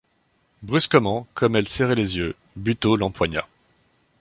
Brusquement, comme elle serrait les yeux, Buteau l’empoigna.